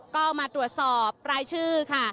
ก็มาตรวจสอบรายชื่อค่ะ